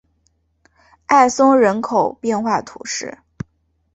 埃松人口变化图示